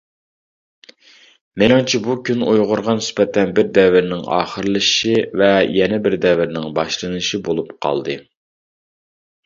مېنىڭچە، بۇ كۈن ئۇيغۇرغا نىسبەتەن بىر دەۋرنىڭ ئاخىرلىشىشى ۋە يەنە بىر دەۋرنىڭ باشلىنىشى بولۇپ قالدى.